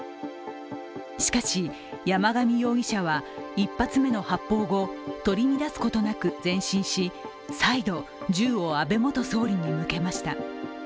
しかし、山上容疑者は１発目の発砲後取り乱すことなく前進し再度、銃を安倍元総理に向けました。